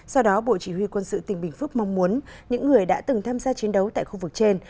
do đó bộ chỉ huy quân sự tỉnh bình phước mong muốn những người đã từng tham gia chiến đấu tại khu vực trên